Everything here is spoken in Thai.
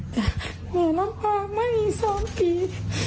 แต่แม่ลำบาปไม่มีสองปี